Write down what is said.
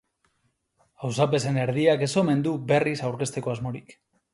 Auzapezen erdiak ez omen du berriz aurkezteko asmorik.